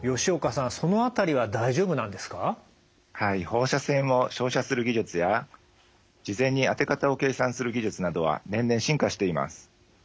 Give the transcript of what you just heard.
放射線を照射する技術や事前に当て方を計算する技術などは年々進化しています。